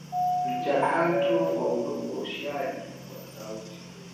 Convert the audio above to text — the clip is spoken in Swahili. mchakato wa udondoshaji wa sauti